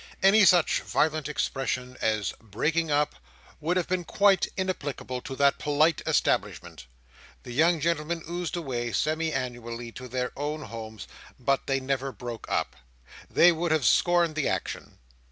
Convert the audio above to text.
Any such violent expression as "breaking up," would have been quite inapplicable to that polite establishment. The young gentlemen oozed away, semi annually, to their own homes; but they never broke up. They would have scorned the action.